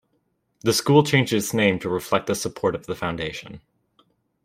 The school changed its name to reflect the support of the Foundation.